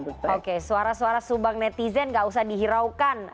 oke suara suara subang netizen nggak usah dihiraukan